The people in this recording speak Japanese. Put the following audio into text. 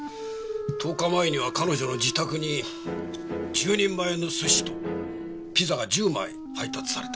１０日前には彼女の自宅に１０人前の寿司とピザが１０枚配達された。